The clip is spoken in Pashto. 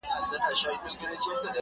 مګر زه خو قاتل نه یمه سلطان یم-